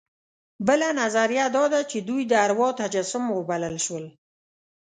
بله نظریه دا ده چې دوی د اروا تجسم وبلل شول.